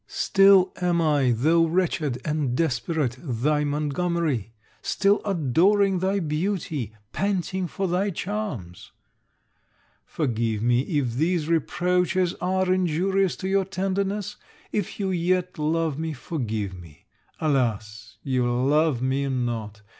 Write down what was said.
Still am I, though wretched and desperate, thy Montgomery; still adoring thy beauty, panting for thy charms. Forgive me if these reproaches are injurious to your tenderness. If you yet love me, forgive me. Alas! you love me not!